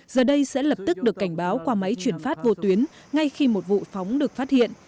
giờ đây sẽ lập tức được cảnh báo qua máy chuyển phát vô tuyến ngay khi một vụ phóng được phát hiện